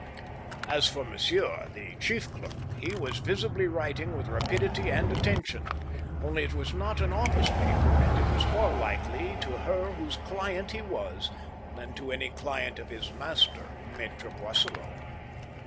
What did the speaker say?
As for monsieur, the chief clerk, he was visibly writing with rapidity and attention — only it was not on office paper, and it was more likely to her whose client he was than to any client of his master, Mattre Boisselot.